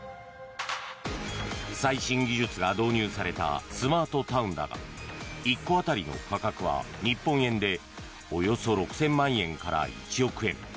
最新技術が導入されたスマートタウンだが１戸当たりの価格は日本円でおよそ６０００万円から１億円。